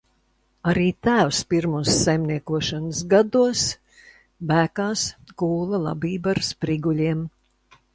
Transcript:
Arī tēvs pirmos saimniekošanas gados Bēkās kūla labību ar spriguļiem.